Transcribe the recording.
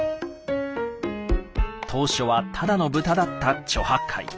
当初はただのブタだった猪八戒。